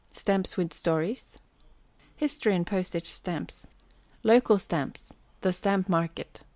Stamps with Stories. History in Postage Stamps. Local Stamps. The Stamp Market.